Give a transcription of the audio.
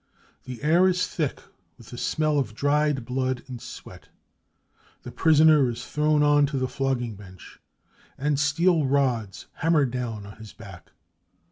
The air is thick with the smell of dried blood and sweat. The prisoner is thrown on to the flogging bench, and steel rods hammer down on his back.